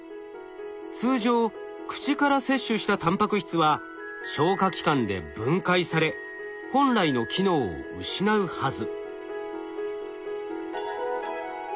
通常口から摂取したタンパク質は消化器官で分解され本来の機能を失うはず。